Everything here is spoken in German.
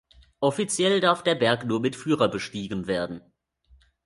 Offiziell darf der Berg nur mit Führer bestiegen werden.